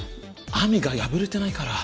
網が破れてないから。